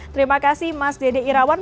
terima kasih mas dede irawan